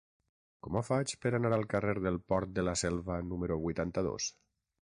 Com ho faig per anar al carrer del Port de la Selva número vuitanta-dos?